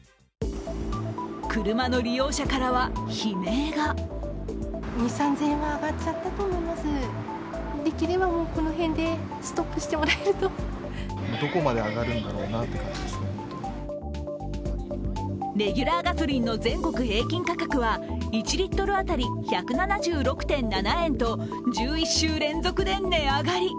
車の利用者からは悲鳴がレギュラーガソリンの全国平均価格は１リットル当たり１７６．７円と１１週連続で値上がり。